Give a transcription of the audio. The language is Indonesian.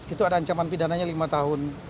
itu ada ancaman pidananya lima tahun